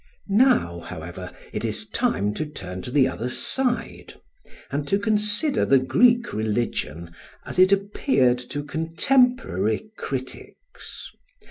Now, however, it is time to turn to the other side, and to consider the Greek religion as it appeared to contemporary critics.